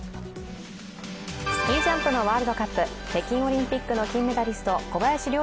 スキージャンプのワールドカップ北京オリンピックの金メダリスト小林陵